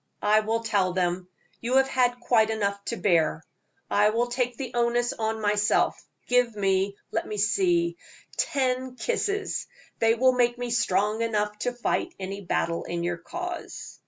"I will tell them. You have had quite enough to bear. I will take the onus on myself. Give me let me see ten kisses; they will make me strong enough to fight any battle in your cause."